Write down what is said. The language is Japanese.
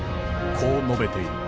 こう述べている。